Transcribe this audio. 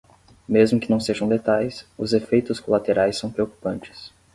Mesmo que não sejam letais, os efeitos colaterais são preocupantes.